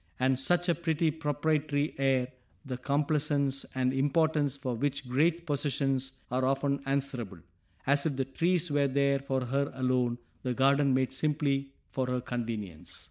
And such a pretty proprietary air the complacence and importance for which great possessions are often answerable! As if the trees were there for her alone, the garden made simply for her convenience!